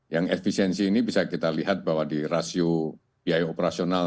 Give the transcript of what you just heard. yang efisiensi ini bisa kita lihat bahwa di rasio biaya operasional